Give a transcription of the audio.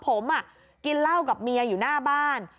ผมกินเหล้ากับเมียอยู่หน้าบ้าน